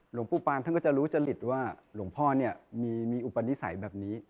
หลวงปู่ปางท่านก็จะรู้จริตว่าหลวงพ่อเนี่ยมีอุปนิสัยแบบนี้